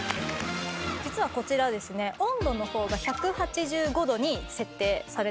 実はこちらですね温度の方が１８５度に設定されてるんですよね。